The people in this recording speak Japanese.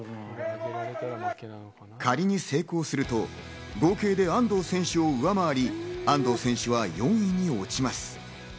仮に成功すると、合計で安藤選手を上回り、安藤選手は４位に落ちます。